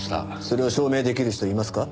それを証明出来る人はいますか？